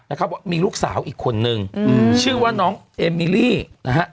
นะครับว่ามีลูกสาวอีกคนนึงอืมชื่อว่าน้องเอมิลี่นะฮะ